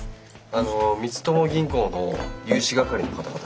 あの光友銀行の融資係の方々。